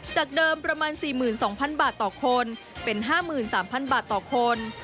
จากเดิมประมาณ๔๒๐๐บาทต่อคนเป็น๕๓๐๐บาทต่อคน